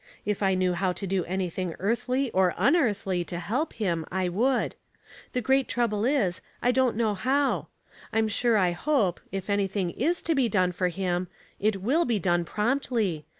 If I knew how to do anything earthly or unearthly to help him, I would. The great trouble is, I don't know how, I'm sure I hope, if anything is to be done for him, it will be done promptly.